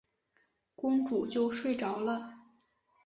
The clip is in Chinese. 公主就睡着了。